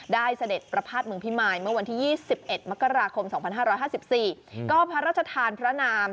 ได้เสด็จประพาทเมืองพิมายเมื่อวันที่๒๑มกราคม๒๕๕๔